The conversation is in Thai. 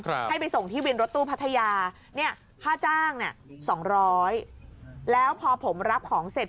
ให้ไปส่งที่วินรถตู้พัทยาเนี่ยค่าจ้างเนี่ยสองร้อยแล้วพอผมรับของเสร็จ